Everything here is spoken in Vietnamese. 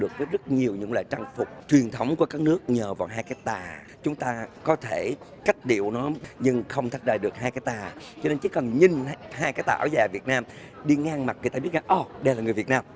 cho nên chỉ cần nhìn hai cái tà áo dài việt nam đi ngang mặt người ta biết rằng ồ đây là người việt nam